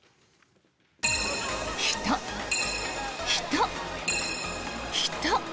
人、人、人。